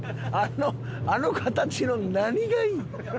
あの形の何がいいん？